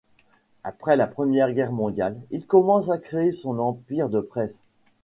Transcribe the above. Après la Première Guerre mondiale, il commence à créer son empire de presse.